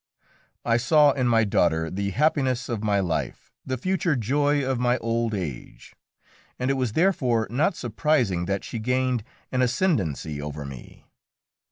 I saw in my daughter the happiness of my life, the future joy of my old age, and it was therefore not surprising that she gained an ascendancy over me.